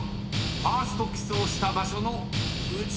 ［ファーストキスをした場所のウチワケは⁉］